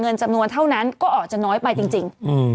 จำนวนเท่านั้นก็ออกจะน้อยไปจริง